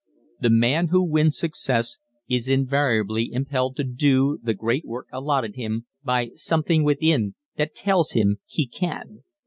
The man who wins success is invariably impelled to do the great work allotted him by something within that tells him he can.